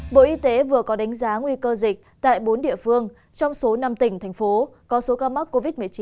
bộ y tế vừa có đánh giá nguy cơ dịch tại bốn địa phương trong số năm tỉnh thành phố có số ca mắc covid một mươi chín nhiều nhất cả nước